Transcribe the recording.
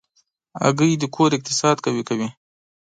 هګۍ د کور اقتصاد قوي کوي.